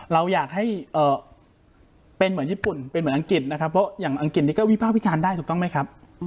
เราอยากให้เป็นเหมือนญี่ปุ่นเป็นเหมือนอังกฤษนะครับเพราะอย่างอังกฤษนี้ก็วิภาควิจารณ์ได้ถูกต้องไหมครับ